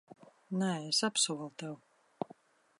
Nē, es apsolu tev.